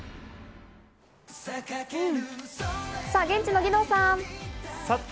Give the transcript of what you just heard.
現地の義堂さん！